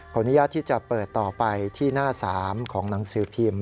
อนุญาตที่จะเปิดต่อไปที่หน้า๓ของหนังสือพิมพ์